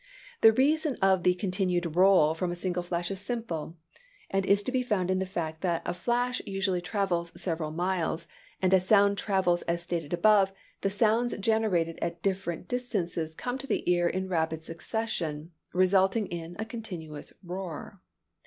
The reason of the continued roll from a single flash is simple, and is to be found in the fact that a flash usually travels several miles; and as sound travels as stated above, the sounds generated at different distances come to the ear in rapid succession, resulting in a continuous roar.